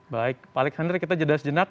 baik pak alexandri kita jeda sejenak